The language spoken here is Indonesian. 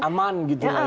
aman gitu ya